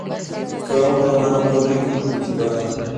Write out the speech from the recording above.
Fue un romano muy rico y cultivado.